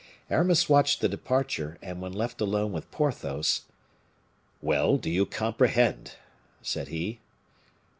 Aramis watched the departure, and when left alone with Porthos: "Well, do you comprehend?" said he.